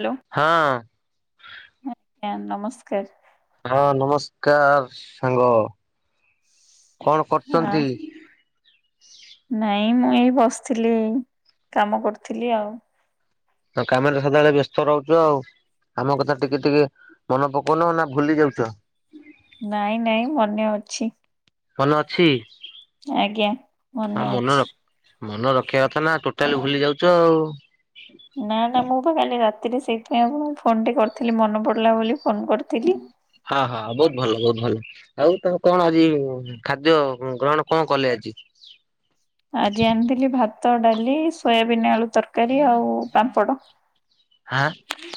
Hello. ହଁ। ଆଜ୍ଞା ନମସ୍କାର୍। ହଁ, ନମସ୍କାର୍ ସାଙ୍ଗ। କଣ ଆ କରୁଛନ୍ତି? ନାଇଁ ମୁଁ ଏଇ ବସିଥିଲି, କାମ କରୁଥିଲି ଆଉ। ତ କାମରେ ସଦାବେଳେ ବ୍ୟସ୍ତ ରହୁଛୁ ଆଉ। ଆମ କଥା ଟିକେ, ଟିକେ ମନେ ପକଉନ ନା ଭୁଲି ଯାଉଛ? ନାଇଁ, ନାଇଁ ମନେ ଅଛି। ମନେ ଅଛି? ଆଜ୍ଞା ମନେ ଅଛି। ମନ ରଖିବା କଥା ନା ଟୋଟାଲି ଭୁଲି ଯାଉଛ ଆଉ। ନା ନା ମୁଁ ବା କାଲି ରାତିରେ ସେଇଥିପାଇଁ ଆପଣଙ୍କୁ ଫୋନଟି କରିଥିଲି ମନେ ପଡିଲା ବୋଲି ଫୋନ କରିଥିଲି। ହଁ ହଁ ବହୁତ୍ ଭଲ ବହୁତ୍ ଭଲ ବହୁତ୍ ଭଲ। ଆଉ ତମେ କଣ ଆଜି ଖାଦ୍ୟ ଗ୍ରହଣ କଣ କଲେ ଆଜି? ଆଜି ଆଣିଥିଲି ଭାତ, ଡାଲି, ସୋୟାବିିନ, ଆଳୁ ତରକାରୀ ଆଉ ପାମ୍ପଡ। ହାଁ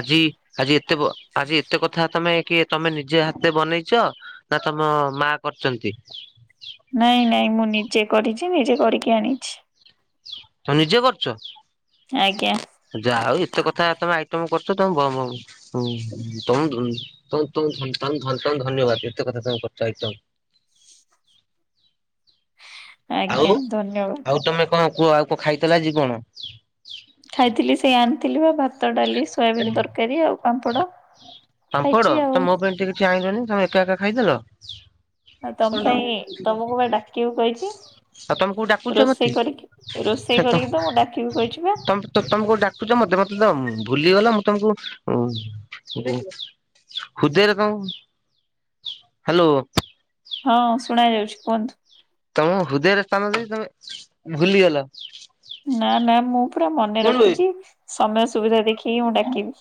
ଆଜି ଆଜି ଏତେ ଆଜି ଏତେ କଥା ତମେ କିଏ ତମେ ନିଜେ ହାତେ ବନେଇଛ ନା ତମ ମା କରିଛନ୍ତି? ନାଇଁ ନାଇଁ ମୁଁ ନିଜେ କରିଛି ନିଜେ କରିକି ଆଣିଛି। ତମେ ନିଜେ କରିଛ। ଆଜ୍ଞା। ଯା ହଉ ଏତେ କଥା ତମେ ଆଇଟମ କରିଛ ତମେ ବ ମ। ହୁଁ ଉଁ ତମକୁ ଉଁ ତମକୁ ତମକୁ ଧନ ତମକୁ ତମକୁ ଧନ୍ୟବାଦ ଏତେ କଥା ତମେ କଥା ତମେ କରିଛ ଆଇଟମ। ଛିଁ ଆଉ ଆଉ ତମେ କଁ କୁହ ଆଉ କଁ ଖାଇଥିଲ ଆଜି କଣ ଖାଇଥିଲି ସେଇ ଆଣିଥିଲି ବା ଭାତ ଡାଲି। ସୋୟାବିିନ ତରକାରୀ ଆଉ ପାମ୍ପଡ ଖାଇଛି ଆଉ। ଚାହିଁଲନି ତମେ ଏକା ଏକା ଖାଇଦେଲ। ଆଉ ତମ ପାଇଁ ତମକୁ ବା ଡ଼ାକିବୁ କହିଛି। ଆଉ ତମେ କୋଉ ଡାକୁଛ ମତେ? ରୋଷେଇ କରିକି ରୋଷେଇ କରିକି ତମକୁ ଡାକିବି କହିଛି ପା। ତ ତମେ କୋଉ ଡାକୁଛ ମତେ ମତେ ତ ଭୁଲିଗଲ ମୁଁ ତମକୁ ଉଁ। ହୃଦୟରେ ତମକୁ ହାଲୋ। ହଁ ଶୁଣା ଯାଉଛି କୁହନ୍ତୁ। ତମେ ମୋ ହୃଦୟରେ ସ୍ଥାନ ଦେଇଛି ତମେ ଭୁଲିଗଲ। ନା ନା ମୁଁ ପୁରା ମନେ ଶୁଣୁ ରଖିଛି ସମୟ ସୁବିଧା ଦେଖିକି ମୁଁ ଡାକିବି।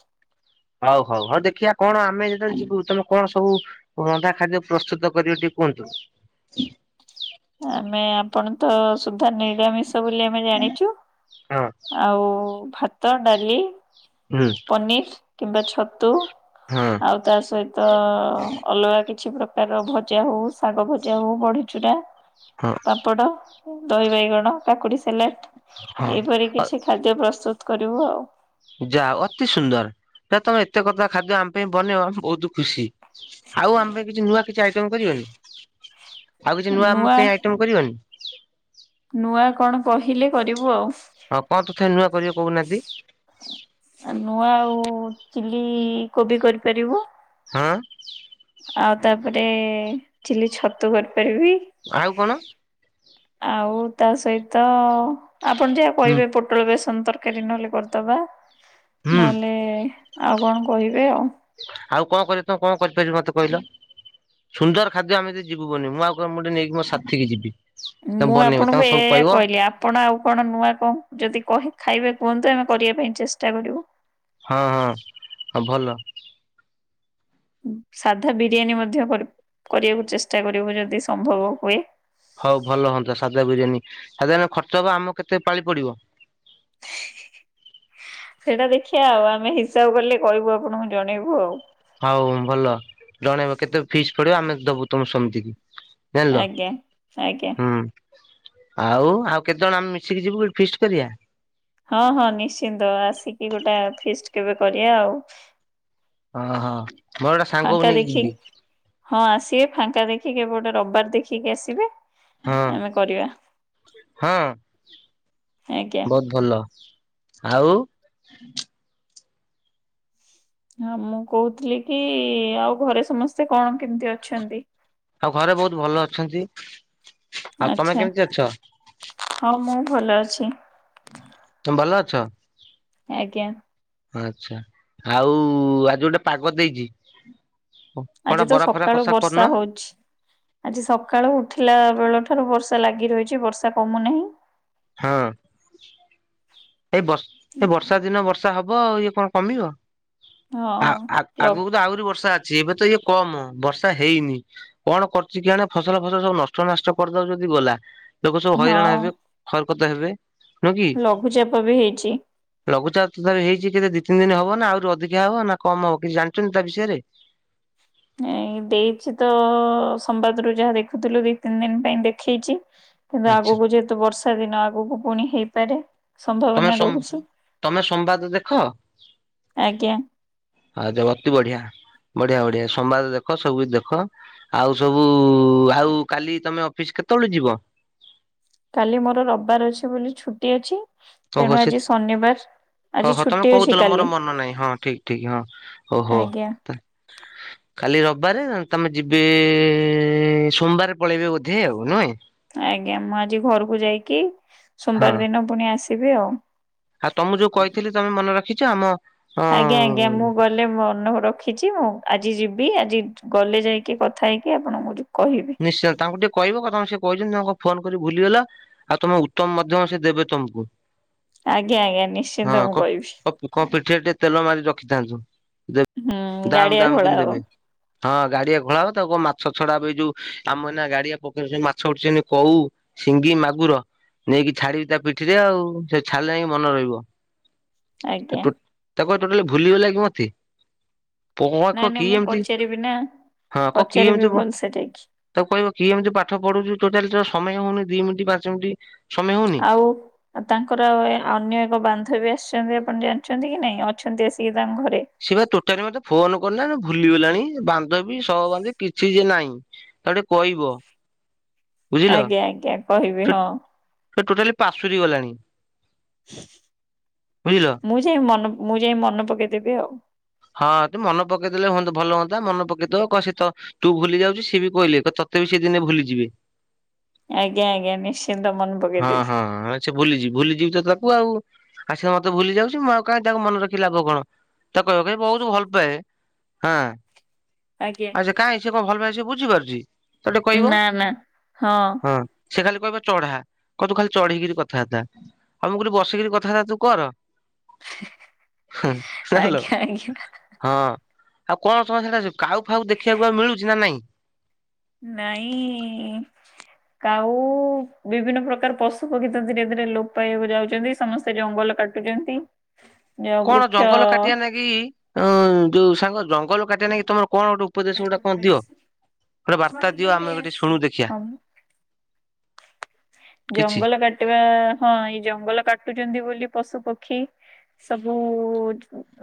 ହଉ ହଉ ହଉ ଦେଖିବା କଣ ଆମେ ଯେତେବେଳେ ଯିବୁ ତମେ କଣ ସବୁ। କଣ ଟା ଖାଦ୍ୟ ପ୍ରସ୍ତୁତ କରିବେ ଟିକେ କୁହନ୍ତୁ। ଆମେ ଆପଣ ତ ସୁଧା ନିରାମିଷ ବୋଲି ଆମେ ଜାଣିଛୁ। ହଁ ଆଉ ଭାତ ଡାଲି। ହୁଁ ପନିର କିମ୍ବା ଛତୁ ହଁ ଆଉ। ତା ସହିତ ଅଲଗା କିଛି ପ୍ରକାରର ଭଜା ହଉ ଶାଗ ଭଜା ହଉ ବଢି ଚୂୁରା। ହଁ ପାମ୍ପଡ ଦହି ବାଇଗଣ କାକୁଡି ସାଲାଟ୍। ଏହିପରି ହଁ କିଛି ଖାଦ୍ୟ ପ୍ରସ୍ତୁତ କରିବୁ ଆଉ। ଯା ହଉ ଅତି ସୁନ୍ଦର ଯଦି ତମେ ଏତେ କଥା ଖାଦ୍ୟ ଆମ ପାଇଁ ବନେଇବ ଆମେ ବହୁତ ଖୁସି। ଆଉ ଆମ ପାଇଁ କିଛି ନୂଆ କିଛି ଆଇଟମ କରିବନି ଆଉ କିଛି ନୂଆ ଆମ ପାଇଁ ଆଇଟମ କରିବନି। ନୂଆ କଣ କହିଲେ କରିବୁ ଆଉ। ହଁ କଁ ତଥାପି ନୂଆ କରିବେ କହୁନାହାନ୍ତି। ଆ ନୂଆ ଆଉ ଚିଲି କୋବି କରିପାରିବୁ। ହଁ। ଆଉ ତାପରେ ଚିଲି ଛତୁ କରିପାରିବି। ଆଉ କଣ‌। ଆଉ ତା ସହିତ ଆପଣ ଯାହା ହୁଁ କହିବେ ପୋ ପୋଟଳ ବେସନ ତରକାରୀ ନହେଲେ କରିଦବା ହୁଁ ନହେଲେ ଆଉ କଣ କହିବେ ଆଉ। ଆଉ କଁ କରିବେ ତମେ କଁ କରିପାରିବ ମତେ କହିଲ। ସୁନ୍ଦର ଖାଦ୍ୟ ଅମେ ଜଦି ଯିବୁ ବନେଇବ ମୁଁ ଆଉ କାହାକୁ ମୁଁ ଟିକେ ନେଇକି ମୋ ସାଥିି କି ଯିବି। ତମେ ମୁଁ ବନେଇବ ତାଙ୍କୁ ଆପଣଙ୍କୁ ସବୁ ଏୟା ଏୟା କହିବ କହିଲି ଆପ ଆପଣ ଆଉ କଣ ନୂଆ କଣ ଯଦି କହି ଖାଇବେ କୁହନ୍ତେ ଆମେ କରିବା ପାଇଁ ଚେଷ୍ଟା କରିବୁ। ହଁ ହଁ ଆଉ ଭଲ। ସାଧା ବିରିୟାନୀ ମଧ୍ୟ କରି କରିବାକୁ ଚେଷ୍ଟା କରିବୁ ଯଦି ସମ୍ଭବ ହୁଏ। ହଉ ଭଲ ହୁଅନ୍ତା ସାଧା ବିରିୟାନୀ [unintelligible] ଖର୍ଚ୍ଚ ହବ ଆମକୁ କେତେ ପାଳି ପଡିବ। ସେଇଟା ଦେଖିବା ଆଉ ଆମେ ହିସାବ କଲେ କହିବୁ ଆପଣଙ୍କୁ ଜଣେଇବୁ ଆଉ। ଆଉ ଭଲ ଜଣେଇବ କେତେ ଫିସ୍ ପଡିବ ଆମେ ଦବୁ ତମେ ସମିତି କି। ଜାଣିଲ ଆଜ୍ଞା। ଆଜ୍ଞା ହୁଁ। ଆଉ ଆଉ କେତେ ଜଣ ଆମେ ମିଶିକି ଯିବୁ ଫିଷ୍ଟୀ କରିବା। ହଁ ହଁ ନିଶ୍ଚିନ୍ତ ଆସିକି ଗୋଟେ ଫିଷ୍ଟ କେବେ କରିବା ଆଉ। ହଁ ହଁ ଫାଙ୍କା ଦେଖିକି ହଁ ଆସିବେ ଫାଙ୍କା ଦେଖିକି ଏପଟେ ରିବିବାର ଦେଖିକି ଆସିବେ। ହଁ ଆମେ କରିବା ହଁ ଆଜ୍ଞା। ବହୁତ ଭଲ ଆଉ ହଁ ମୁଁ କହୁଥିଲି କି ଆଉ ଘରେ ସମସ୍ତେ କଣ କେମିତି ଅଛନ୍ତି? ଆଉ ଘରେ ବହୁତ ଭଲ ଅଛନ୍ତି। ଆଉ ତମେ ଆଛା କେମିତି ଅଛ ହଉ ମୁଁ ଭଲ ଅଛି। ତୁମ ଭଲ ଅଛ? ଆଜ୍ଞା ଆଚ୍ଛା ଆଉ ଆଜି ଗୋଟେ ପାଗ ଦେଇଛି। କଣ ଆଜି ତ ବରା ଫରା ସକାଳୁ କଷା କରୁନ ବର୍ଷା ହଉଛି। ଆଜି ସକାଳୁ ଉଠିଲା ବେଳ ଠାରୁ ବର୍ଷା ଲାଗି ରହିଛି ବର୍ଷା କମୁ ନାହିଁ। ହଁ ଏଇ ବ ଏଇ ବର୍ଷା ଦିନ ବର୍ଷା ବର୍ଷା ହବ ଆଉ ଇଏ କଣ କମିବ ହଁ। ଆ ଲକ୍ ଆଗକୁ ତ ଆହୁରି ବର୍ଷା ଅଛି ଏବେ ତ ଇଏ କମ ବର୍ଷା ହେଇନି। କଣ କରୁଛି କି ଆଣେ ଫସଲ ଫସଲ ସବୁ ନଷ୍ଟ ନଷ୍ଟ କରିଦଉ ଯଦି ଗଲା। ଲୋକ ସବୁ ହଇରାଣ ହଁ ହେବେ ହରକତ ହେବେ। ନୁହଁ କି ଲଘୁଚାପ ବି ହେଇଛି। ଲଘୁଚାପ ତଥାପି ହେଇଛି କେ ଦି ତିନି ଦିନ ହବ ନା ଆହୁରି ଅଧିକା ହବ ନା କମ ହବ କିଛି ଜାଣିଛନ୍ତି ତା ବିଷୟରେ? ଏ ଦେଇଛି ତ ସମ୍ବାଦ ରୁ ଯାହା ଦେଖୁଥିଲୁ ଦି ତିନି ଦିନ ପାଇଁ ଦେଖେଇଛି। କିନ୍ତୁ ଆଚ୍ଛା ଆଗକୁ ଯେହେତୁ ବର୍ଷା ଦିନ ଆଗକୁ ପୁଣି ହେଇପାରେ। ତମେ ସମ୍ଭାବନା ସ ରହୁଛି ତମେ ସମ୍ବାଦ ଦେଖ? ଆଜ୍ଞା ଆଉ ଦେଖ ଅତି ବଢିଆ ବଢିଆ ବଢିଆ ସମ୍ବାଦ ଦେଖ ସବୁ କିଛି ଦେଖ। ଆଉ ସବୁ ଆଉ କାଲି ତମେ ଅଫିସ କେତେବେଳୁ ଯିବ? କାଲି ମୋର ରବିବାର ଅଛି ବୋଲି ଛୁଟି ଅଛି ତେଣୁ ଆଜି ଶନିବାର। ହୋ ଆଜି ହୋ ତମେ ଛୁଟି ଅଛି କହୁଥିଲ କାଲି ମୋର ମନ ନାହିଁ ହଁ ଠିକ ଠିକ ହଁ ଓହୋ। ଆଜ୍ଞା କାଲି ରବିବାରେ ତମେ ଯିବେ ସୋମବାର ପଳେଇବେ ବୋଧେ ଆଉ ନୁହେଁ। ଆଜ୍ଞା ମୁଁ ଆଜି ଘରକୁ ଯାଇକି ହଁ ସୋମବାର ଦିନ ପୁଣି ଆସିବି ଆଉ। ଆଉ ତମକୁ ଯୋଉ କହିଥିଲି ତମେ ମନେ ରଖିଛ ଆମ ହଁ ଆଜ୍ଞା ଆଜ୍ଞା ମୁଁ ଗ ଗଲେ ମୁଁ ମନେ ରଖିଛି ମୁଁ ଆଜି ଯିବି ଆଜି ଗଲେ ଯାଇକି କଥା ହେଇକି ଆପଣଙ୍କୁଉଁ କହିବି। ନିଶ୍ଚୟ ତାଙ୍କୁ ଟିକେ କହିବ କଥା ସେ କହିଛନ୍ତି ଫୋନ କରି ଭୁଲିଗଲ। ଆଉ ତମେ ଉତ୍ତମ ମଧ୍ୟ ସେ ଦେବେ ତମକୁ। ଆଜ୍ଞା ଆଜ୍ଞା ହଁ ନିଶ୍ଚିନ୍ତ କ ମୁଁ କହିବି। କଣ ପିଠିରେ ଟିକେ ତେଲ ମାରି ରଖିଥାନ୍ତୁ ହୁଁ ଦାମ ଗାଡିଆ ଦାମ ଖୋଳା କିମ ହବ ଦେବେ। ହଁ ଗାଡିଆ ଘୋଳା ହବ ତା କ ମାଛ ଛଡା ଏ ଯୋଉ ଆମର ନା ଗାଡିଆ ପଖେଇ ମାଛ ଉଠୁଛନ୍ତି କଉ ସିଙ୍ଗି ମାଗୁର। ନେଇକି ଛାଡିବି ତା ପିଠିରେ ଆଉ ସେ ଛାଡ଼ିଲ ଯାଇ ମନେ ରହିବ। ଆଜ୍ଞା [unintelligible] ତାକୁ ଟୋଟାଲି ଭୁଲିବ ଗଲା କି ମତେ ପୁଅ ନାଇଁ କ ନାଇଁ କି ମୁଁ ଏମିତି ପଚାରିବି ହଁ କହ କି ଏମିତି ପୁଅ ସେଠି କି ତାକୁ କହିବ କି ଏମତି ପାଠ ପଢୁଚୁ ଟୋଟାଲି ସମୟ ହଉନି ଦି ମିନିଟ୍ ପାଞ୍ଚ ମିନିଟ୍ ସମୟ ହଉନି ଆଉ ଆଉ ତାଙ୍କର ଆଉ ଅନ୍ୟ ଏକ ବାନ୍ଧବୀ ଆସିଛନ୍ତି ଆପଣ ଜାଣିଛନ୍ତି କି ନାଇଁ ଅଛନ୍ତି ଆସିକି ତାଙ୍କ ଘରେ ସିଏ ବା ତୋଟଲି ମତେ ଫୋନ କରଲେ ଭୁଲିଗଲାଣି ବାନ୍ଧବ ସହ ବାନ୍ଧବି କିଛି ଯେ ନାହିଁ। ତାଟେ କହିବ ବୁଝିଲ ଆଜ୍ଞା ଆଜ୍ଞା କହିବି ସେ ହଁ। ସେ ଟୋଟାଲି ପାଶୁରି ଗଲାଣି। ବୁଝିଲ। ମୁଁ ଯାଇ ମନ ମୁଁ ଯାଇ ମନେ ପକେଇଦେବି ଆଉ। ହଁ ତୁ ମନ ପକେଇଦଲେ ଭଲ ହୁଅତା ଭଲ ହୁଅନ୍ତା ମନ ପକେଇଦବ କ ସେତ ତୁ ଭୁଲି ଯାଉଛୁ ସି ବି କହିଲେ ତତେ ବି ସେ ଦିନେ ଭୁଲିଯିବେ। ଆଜ୍ଞା ଆଜ୍ଞା ନିଶ୍ଚିନ୍ତ ମନ ପକେଇ ହଁ ଦେବି। ହଁ ସେ ଭୁଲିଯିବି ଭୁଲିଯିବି ତ ତାକୁ ଆଉ ଆସ ମତେ ଭୁଲି ଯାଉଛି ମୁଁ ଆଉ କାହିଁ ତାକୁ ମନେ ରଖିଲ ଲାବ କଣ? ତାକୁ କହିବ କାଇଁ ବହୁତ ଭଲ ପାଏ, ହଁ ଆଜ୍ଞା ଆଉ ସେ କାହିଁ ସିଏ କଣ ଭଲ ପାଇବା ସିଏ ବୁଝିପାରୁଛି ତାକୁଟେ କହିବ ନା ନା। ହଁ। ସେ ଖାଲି କହିବ ଚଢା କହିବ ତୁ ଖାଲି ଚଢେଇକିରି କଥା ବାର୍ତ୍ତା, ଆଉ ମୁଁ ଗୋଟେ ବସିକିରି କଥା ବାର୍ତ୍ତା ତୁ କର। ହ ଜାଣିଲୋ। ଆଜ୍ଞା ଆଜ୍ଞା ହଁ ଆଉ କଣ ତମର ସିଆଡ଼େ କାଉ ଫାଉ ଦେଖିବାକୁ ଆଉ ମିଳୁଚି ନା ନାଇଁ। ନାଇଁ। କାଉ ବିଭିନ୍ନ ପ୍ରକାର ପଶୁପକ୍ଷୀ ତ ଧୀରେ ଧୀରେ ଲୋପ ପାଇବାକୁ ଯାଉଛନ୍ତି, ସମସ୍ତେ ଜଙ୍ଗଲ କାଟୁ ଛନ୍ତି ଯଉ ବୃକ୍ଷ କି ଅଁ ଯୋଉ ସାଙ୍ଗ ଜଙ୍ଗଲ କାଟିବା ନାଗି ତମର କଣ ଗୋଟ ଉପଦେଶ ଗୁଟା କଣ ଦିଅ, ଗୋଟେ ବାର୍ତ୍ତା ଦିଅ ଆମେ ଗୋଟେ ଶୁଣୁ ଦେଖିିଆ। ହଁ ଜଙ୍ଗଲ କାଟିବା ହଁ, ଏଇ ଜଙ୍ଗଲ କାଟୁଛନ୍ତି ବୋଲି ପଶୁ ପକ୍ଷୀ ସବୁ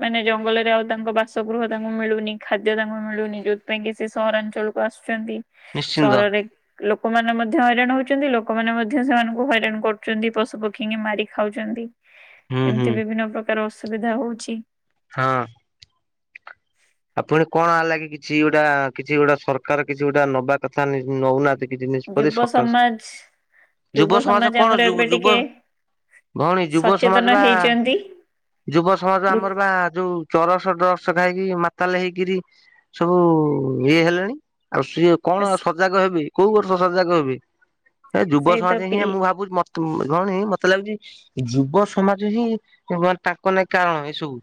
ମାନେ ଜଙ୍ଗଲରେ ଆଉ ତାଙ୍କ ବାସଗୃହ ତାଙ୍କୁ ମିଳୁନି, ଖାଦ୍ୟ ତାଙ୍କୁ ମିଳୁନି ଯୋଉଥିପାଇଁ କି ସେ ସହରାଞ୍ଚଳକୁ କୁ ଆସୁଛନ୍ତି, ନିଶ୍ଚିନ୍ତ ସହରରେ ଲୋକମାନେ ମଧ୍ୟ ହଇରାଣ ହଉଛନ୍ତି ଲୋକ୍ କମାନେ ମଧ୍ୟ ସେମାନଙ୍କୁ ହଇରାଣ କରୁଛନ୍ତି, ପଶୁ ପକ୍ଷୀ ଙ୍କି ମାରି ଖାଉଛନ୍ତି ହୁଁ ଏମତି ହୁଁ। ବିଭିନ୍ନ ପ୍ରକାର ତାର ଅସୁବିଧା ହଉଛି। ହଁ। ଆଉ ପୁଣି କଣ ହେଲା କି କିଛି ଗୋଟା କିଛି ଗୋଟେ ସରକାର କିଛି ଗୋଟେ ନବା କଥା କି ନଉନାହାନ୍ତି। କିଛି ନିଷ୍ପତ୍ତି ଯୁବ ସକାର, ସମାଜ ଯୁବ ସମାଜ କଣ ଆମର ଯୁ ଏବେ ଟିକେ ଯୁବ ଭଉଣୀ ଯୁବ ସମାଜ ସଚେତନ ବା, ହେଇଛନ୍ତି ଯୁବ ସମାଜ ବା ବୃ ଆମର ବା ଯୋଉ ଚରସ ଡ୍ରଗ୍ସ ଖାଇକି ମାତାଲେ ହେଇକିରି ସବୁ ଇଏ ହେଲେଣି ଆଉ ସିଏ କଣ ଆ ସଜାଗ ହେବେ କୋଉ ବର୍ଷ ସଜାଗ ହେବେ, ଏ ଯୁବ ସେଇ ତ ସମାଜ ହିଁ ପିଲି ମୁଁ ଭାବୁଛି ମ ତୁ ଭଉଣି ମତେ ଲାଗୁଛି ଯୁବ ସମାଜ ହିଁ [unintelligible] ତାଙ୍କ ନାଇଁ କାରଣ ଏ ସବୁ।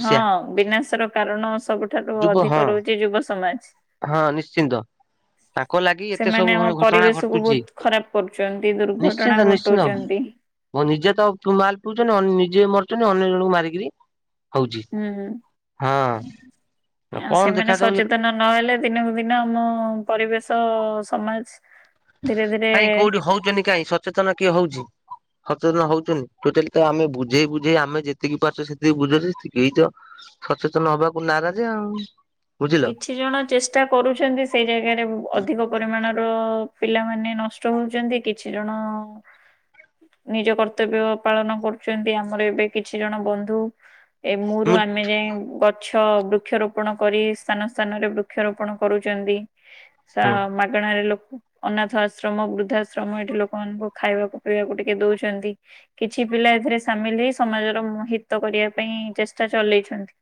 ହଁ ବିନାଶ ର କାରଣ ସବୁଠାରୁ ଯୁବ ହଁ ଅଧିକ ରହୁଛି ଯୁବ ସମାଜ। ହଁ ନିଶ୍ଚିନ୍ତ। ତାଙ୍କ ଲାଗି ଏତେ ସେମାନେ ସବୁ ଆମ ଘ ଘଟଣା ପରିବେଶକୁୁ ଘଟୁଛି ବହୁତ ଖରାପ କରୁଛନ୍ତି ଦୁର୍ଘଟଣା ନିଶ୍ଚିନ୍ତ ନିଶ୍ଚିନ୍ତ। ଘଟଉଛନ୍ତି। ନିଜେ ତ ପ ମାଲ୍ ପିଉଛନ୍ତି ଅ ନିଜେ ମରୁଛନ୍ତି ଅନ୍ୟ ଜଣଙ୍କୁ ମାରିକିରି ହଉଛି ହୁଁ ହୁଁ। ହଁ ଅ ଆଉ କଣ ସେମାନେ ଦେଖାଯାଉ ସଚେତନ ନହେଲେ ଦିନକୁ ଦିନ ଆମ ପରିବେଶ ସମାଜ ଧୀରେ ଧୀରେ କାଇଁ କଉଠି ହଉଚନ୍ତି କାହିଁ ସଚେତନ କିଏ ହଉଛି। ସଚେତନ ହଉଛନ୍ତି, ଟୋଟାଲି ତ ଆମେ ବୁଝେଇ ବୁଝେଇ ଆମେ ଯେତିକି ପାରୁଛ ସେତିକି ବୁଝଛେ ସେ କେହି ତ ସଚେତନ ହବାକୁ ନାରାଜ ଆଉ। ବୁଝିଲ କିଛି ଜଣ ଚେଷ୍ଟା କରୁଛନ୍ତି, ସେଇ ଜାଗାରେ ଅଧିକ ପରିମାଣର ପିଲାମାନେ ନଷ୍ ଷ୍ଟ ହଉଛନ୍ତି କିଛି ଜଣ [inaudible] ନିଜ କର୍ତ୍ତବ୍ୟ ପାଳନ କରୁଛନ୍ତି, ଆମର ଏବେ କିଛି ଜଣ ବନ୍ଧୁ ଏ ମୁରୁ ମୁଁ ଆମେ ଯାଏ ଗଛ ବୃକ୍ଷରୋପଣ କରିସ୍ ସ୍ଥାନ ସ୍ଥାନ ରେ ବୃକ୍ଷରୋପଣ କରୁଛନ୍ତି, ସ ମାଗଣାରେ ଲୋକ ଅନାଥ ଆଶ୍ରମ ବୃଦ୍ଧାଶ୍ରମ ଏଠି ଲୋକମାନଙ୍କୁ ଖାଇବାକୁ ପିଇବାକୁ ଟିକେ ଦଉଛନ୍ତି। କିଛି ପିଲା ଏଥିରେ ସାମିଲ ହେଇ ସମାଜର ହିତ କରିବା ପାଇଁ ଚେଷ୍ଟା ଚଲେଇଛନ୍ତି।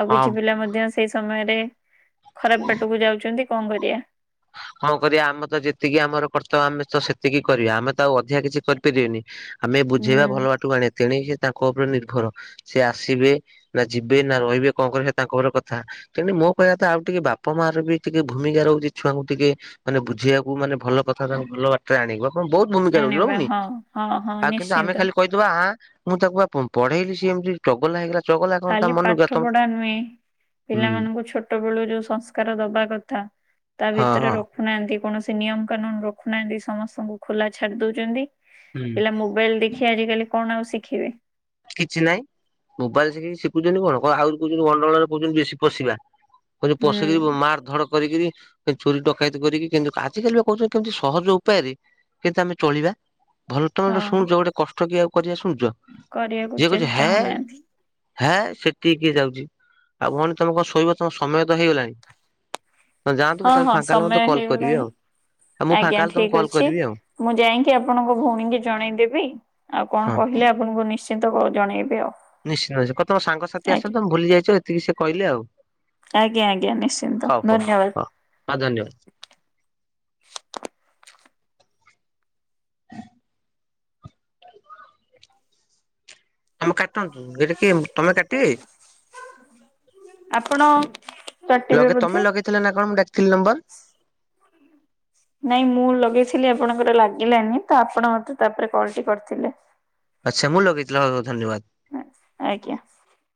ଆଉ ହଁ କିଛି ପିଲା ମଧ୍ୟ ସେଇ ସମୟରେ ଖରାପ ବାଟକୁ ଯାଉଛନ୍ତି କଣ କରିବା। କଣ କରିବା ଆମେ ତ ଯେତିକି ଆମର କର୍ତ୍ତବ୍ୟ ଆମେ ତ ସେତିକି କରିବା, ଆମେ ତ ଆଉ ଅଧିକା କିଛି କରିପାରିବାନି। ଆମେ ବୁଝେଇବା ଭଲ ହୁଁ ବାଟୁକୁ ଆଣିବା ତେଣିକି ତାଙ୍କ ଉପରେ ନିର୍ଭର। ସେ ଆସିବେ ନା ଯିବେ ନା ରହିବେ କଣ କରିବେ ତାଙ୍କ ଉପରେ କଥା। ତେଣୁ ମୋ କହିବା କଥା ଆଉ ଟିକେ ବାପା ମା ର ବି ଟିକେ ଭୂମିକା ରହୁଛି। ଛୁଆଙ୍କୁ ଟିକେ ମାନେ ବୁଝେ଼ଇବାକୁ ମାନେ ଭଲ କଥା ତାଙ୍କୁ ଭଲ ବାଟରେ ଆଣିବ। ବହୁତ ଭୂମିକା ରହୁଛି ଆଣିବା ରହୁନି, ହଁ ହଁ ହଁ ଆଉ କିନ୍ତୁ ଆମେ ନିଶ୍ଚିନ୍ତ ଖାଲି କହି ଥିବା ଆଁ ମୁଁ ତାକୁ ବା ପଢେଇଲି ସିଏ ଏମିତି ଚଗଲା ହେଇଗଲା। ଚଗଲା କଣ ତା ଖାଲି ମନକୁ ଗଲା ପାଠ ତମ ପଢା ନୁହେଁ ହୁଁ ପିଲାମାନଙ୍କୁ ଛୋ ଛୋଟ ବୋଳୁ ଯୋଉ ସଂସ୍କାର ଦବା କଥା ତା ହଁ ଭିତରେ ହଁ ନାଁ ଏମିତି କୌଣସି ନିୟମ କାନୁନ ରଖୁନାହାନ୍ତି ସମସ୍ତଙ୍କୁ ଖୋଲା ଛାଡି ଦୋଉଛନ୍ତି। ହୁଁ ପିଲା ମୋବାଇଲ ଦେଖି ଆଜିକାଲି କଣ ଆଉ ଶିଖିବେ। କିଛି ନାହିଁ। ମୋବାଇଲ ଦେଖିକି ଶିଖିଖୁଛନ୍ତି କଣ କଣ ଆହୁରି କହୁଛନ୍ତି ଗଣ୍ଡଗୋଳରେ କହୁଛନ୍ତି ବେଶୀ ପଶିବା। ହୁଁ ପଶିକିରି ମାର ଧଡ କରିକିରି ଚୋରୀ ଡକାୟତି କରିକି କିନ୍ତୁ ଆଜିିକାଲି ବି କହୁଛନ୍ତି କେମିତି ସହଜ ଉପାୟରେ କେମିତି ଆମେ ଚଳିବୁ। ଭଲ ହଁ ତମେ ଶୁଣୁଛ ଗୋଟେ କଷ୍ଟ କିଏ ଆଉ କରିବା ଶୁଣୁଛ କରିବାକୁ ଯିଏ ଚେ କହୁଛି ହେ ଚାହୁଁନାହାନ୍ତି ହେଁ ସେତିିକି ଯାଉଛି ଆଉ ଭଉଣୀ ତମେ କଣ ଶୋଇବ ତମ ସମୟ ତ ହେଇଗଲାଣି। [unintelligible] ହଁ କେତେବେଳେ ହଁ ଫାଙ୍କା ହେଲେ ସମୟ ମତେ କଲ୍ କରିବେ ହେଇଗଲାଣି ଆଉ ଆଉ ମୁଁ ଫାଙ୍କା ଆଜ୍ଞା ହେଲେ ତମକୁ ଠିକ୍ କଲ୍ ଅଛି। କରିବି ଆଉ ମୁଁ ଯାଇକି ଆପଣଙ୍କ ଭଉଣୀଙ୍କୁ ଜଣେଇଦେବି ଆଉ କଣ ହଁ କହିଲେ ଆପଣଙ୍କୁ ନିଶ ଚିନ୍ତା କର ଜଣେଇବି ଆଉ [unintelligible] ନିଶ୍ଚିନ୍ତ କ ତେମ ସାଙ୍ଗସାଥି ଆଜ୍ଞା ତ ଭୁଲି ଯାଇଛ ଏତିକି ସେ କହିଲେ ଆଉ। ଆଜ୍ଞା ଆଜ୍ଞା ନିଶ୍ଚିନ୍ତ ହଉ ହଉ ଧନ୍ୟବାଦ। ହଉ ହଁ ଧନ୍ୟବାଦ। କାଟନ୍ତୁ ଏଇଟା କି ତମେ କାଟିବେ? ଆପଣ କାଟିବେ ଲଗେ ବୋଧେ? ତମେ ଲଗେଇ ଥିଲେ ନା କଣ ମୁଁ ଡାକିଥିଲି ନମ୍ବର। ନାଇଁ ମୁଁ ଲଗେଇଥିଲି ଆପଣଙ୍କର ଲାଗିଲାନି ତ ଆପଣ ମତେ ତାପରେ କଲ ଟି କରିଥିଲେ। ଆଚ୍ଛା ମୁଁ ଲଗେଇ ଥିଲି ହଁ ହଉ ଧନ୍ୟବାଦ। ଆଜ୍ଞା।